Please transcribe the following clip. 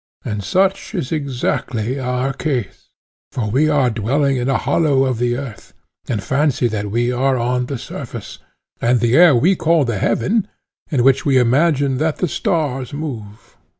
And such is exactly our case: for we are dwelling in a hollow of the earth, and fancy that we are on the surface; and the air we call the heaven, in which we imagine that the stars move.